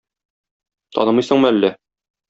Танымыйсыңмы әллә?